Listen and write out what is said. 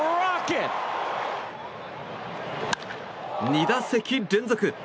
２打席連続！